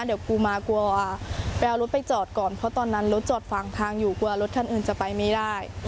เดี๋ยวกูมากลัวไปเอารถไปจอดก่อนเพราะตอนนั้นรถจอดฝั่งทางอยู่กลัวรถคันอื่นจะไปไม่ได้